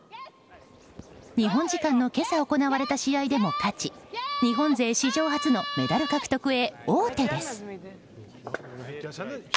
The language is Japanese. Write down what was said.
日本時間の今朝行われた試合でも勝ち日本勢史上初のメダル獲得へ王手です。